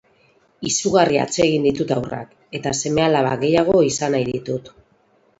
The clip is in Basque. Izugarri atsegin ditut haurrak eta seme-alaba gehiago izan nahi ditut.